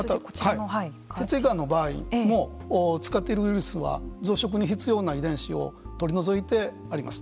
血液がんの場合も使っているウイルスは増殖に必要な遺伝子を取り除いてあります。